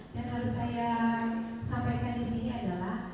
yang harus saya sampaikan disini adalah